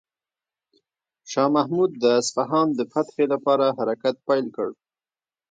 شاه محمود د اصفهان د فتح لپاره حرکت پیل کړ.